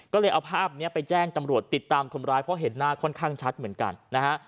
ก็เลยเอาภาพนี้ไปแจ้งตำรวจติดตามคนร้ายเพราะเห็นหน้าค่อนข้างชัดเหมือนกันนะฮะ